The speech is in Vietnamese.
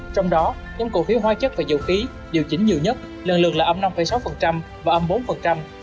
trong đó nhóm cổ phiếu hóa chất và dầu khí điều chỉnh nhiều nhất lần lượt là âm năm sáu và âm bốn